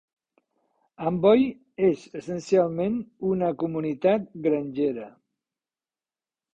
Amboy és essencialment una comunitat grangera.